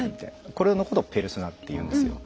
これのことを「ペルソナ」って言うんですよ。